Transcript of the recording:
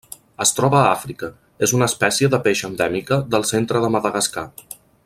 Es troba a Àfrica: és una espècie de peix endèmica del centre de Madagascar.